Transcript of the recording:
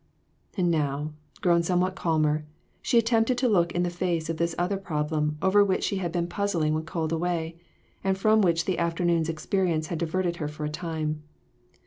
And now, grown somewhat calmer, she attempt ed to look in the face this other problem over which she had been puzzling when called away, and from which the afternoon's experience had diverted her for a time.